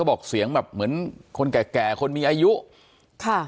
บอกเสียงแบบเหมือนคนแก่แก่คนมีอายุค่ะ